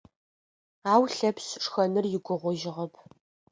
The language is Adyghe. Ау Лъэпшъ шхэныр игугъужьыгъэп.